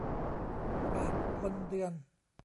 บาทคนเดือน